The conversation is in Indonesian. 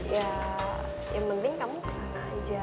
ya yang penting kamu kesana aja